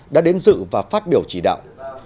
đã đến dự và phát biểu chỉ đạo